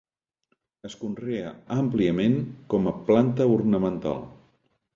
Es conrea àmpliament com a planta ornamental.